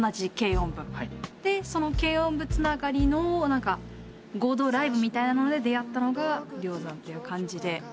でその軽音部つながりの合同ライブみたいなので出会ったのが玲山という感じで。